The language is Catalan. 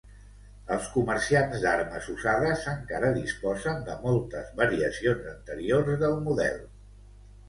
Els comerciants d'armes usades encara disposen de moltes variacions anteriors del model.